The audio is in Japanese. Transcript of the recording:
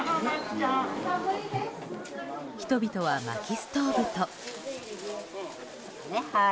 人々は、まきストーブと。